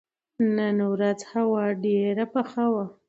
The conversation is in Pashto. نن ورځ هوا ډېره یخه وه.